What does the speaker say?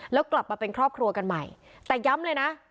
แล้วกลับมาเป็นครอบครัวกันใหม่แต่ย้ำเลยนะ